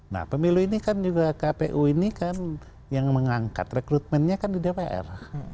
nah pemilu ini kan juga kpu ini kan yang mengangkat rekrutmennya kan di dpr